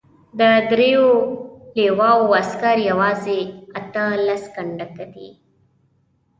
د دریو لواوو عسکر یوازې اته لس کنډکه دي.